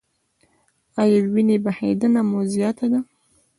ایا وینې بهیدنه مو زیاته ده؟